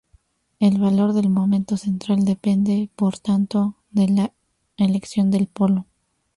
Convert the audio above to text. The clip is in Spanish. El valor del momento central depende, por tanto, de la elección del polo.